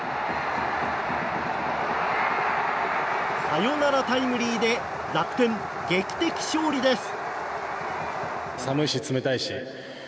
サヨナラタイムリーで楽天、劇的勝利です。